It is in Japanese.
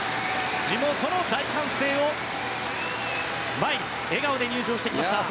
地元の大歓声を前に笑顔で入場してきました。